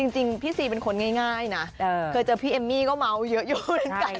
จริงพี่ซีเป็นคนง่ายนะเคยเจอพี่เอมมี่ก็เมาส์เยอะอยู่เหมือนกัน